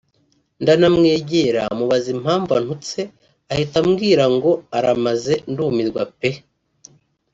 ndanamwegera mubaza impamvu antutse ahita ambwira ngo aramaze ndumirwa pe